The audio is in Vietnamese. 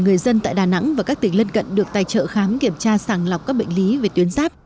người dân tại đà nẵng và các tỉnh lân cận được tài trợ khám kiểm tra sàng lọc các bệnh lý về tuyến giáp